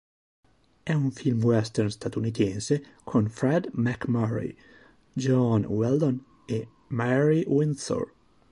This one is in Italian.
È un film western statunitense con Fred MacMurray, Joan Weldon e Marie Windsor.